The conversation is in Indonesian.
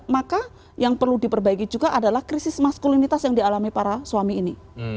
maka yang perlu diperbaiki juga adalah krisis maskulinitas yang dialami para suami ini